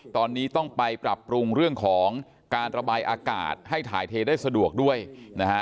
ตอนนี้ต้องไปปรับปรุงเรื่องของการระบายอากาศให้ถ่ายเทได้สะดวกด้วยนะฮะ